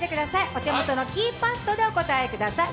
お手元のキーパットでお答えください。